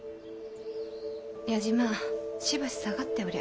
矢島しばし下がっておりゃ。